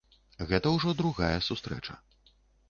Гэта ўжо другая сустрэча.